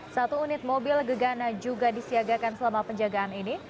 satu unit mobil gegana juga disiagakan selama penjagaan ini